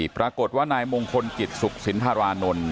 ปรากฏว่านายมงคลกิจสุขสินธารานนท์